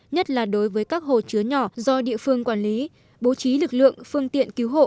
nhất là đối với các hồ chứa nhỏ do địa phương quản lý bố trí lực lượng phương tiện cứu hộ